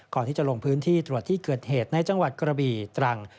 ก่อนที่จะลงพื้นที่ตรวจที่เกิดเหตุในจังหวัดกระบี่ตรัง